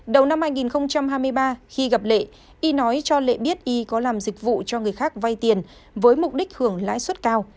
đầu năm hai nghìn hai mươi ba khi gặp lệ y nói cho lệ biết y có làm dịch vụ cho người khác vay tiền với mục đích hưởng lãi suất cao